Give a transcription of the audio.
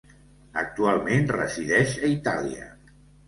Actualment resideix a Itàlia.